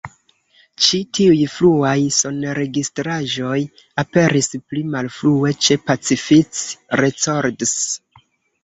Ĉi tiuj fruaj sonregistraĵoj aperis pli malfrue ĉe Pacific Records.